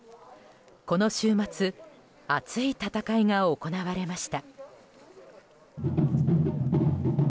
この週末熱い戦いが行われました。